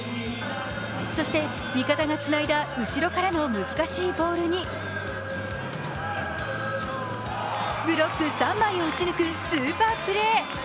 そして味方がつないだ後ろからの難しいボールにブロック三枚を打ち抜くスーパープレー。